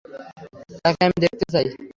তাকে আমি দেখতে চাই।